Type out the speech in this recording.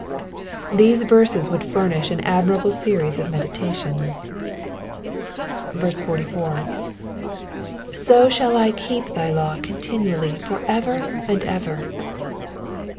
These verses would furnish an admirable series of meditations. 44. ^^So shall I keep thy law continually for ever and ever.'